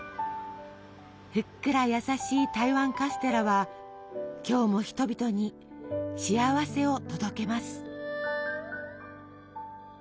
ふっくら優しい台湾カステラは今日も人々に幸せを届けます。